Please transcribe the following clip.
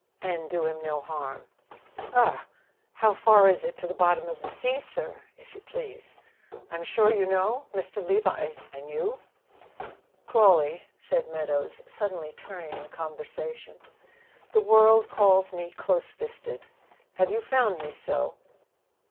"And do him no harm." "Augh! How far is it to the bottom of the sea, sir, if you please? I'm sure you know? Mr. Levi and you." "Crawley," said Meadows, suddenly turning the conversation, "the world calls me close fisted, have you found me so?"